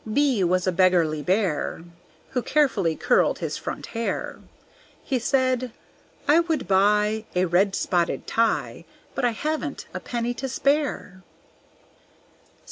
B was a beggarly Bear, Who carefully curled his front hair; He said, "I would buy A red spotted tie, But I haven't a penny to spare."